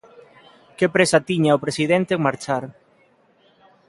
¡Que présa tiña o presidente en marchar!